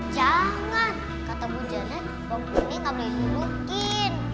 jangan kata bunjanya bangku ini gak boleh dimukin